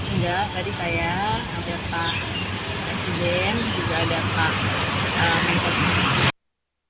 enggak tadi saya ada pak presiden juga ada pak menko sendiri